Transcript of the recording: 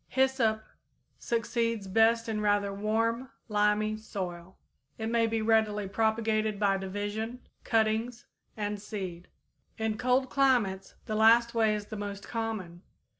_ Hyssop succeeds best in rather warm, limy soil. It may be readily propagated by division, cuttings, and seed. In cold climates the last way is the most common.